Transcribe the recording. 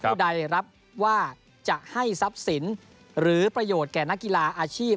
ผู้ใดรับว่าจะให้ทรัพย์สินหรือประโยชน์แก่นักกีฬาอาชีพ